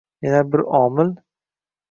Yana bir omil